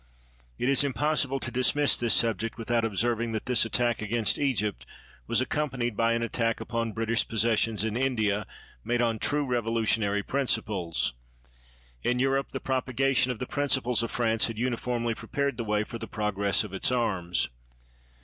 It is impossible to dismiss this subject without observing that this attack against Egypt was accompanied by an attack upon British possessions in India, made on true revolutionary principles. In Eu rope the propagation of the principles of France had uniformly prepared the way for the prog ress of its arms.